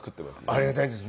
ありがたいですね。